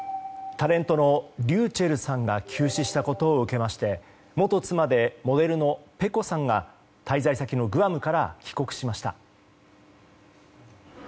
タレントのｒｙｕｃｈｅｌｌさんが急死したことを受けまして元妻でモデルのｐｅｃｏさんが滞在先のグアムから帰国しました。